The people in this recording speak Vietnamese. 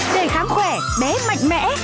để khám khỏe bé mạnh mẽ